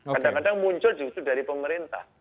kadang kadang muncul justru dari pemerintah